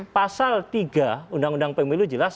pasal tiga undang undang pemilu jelas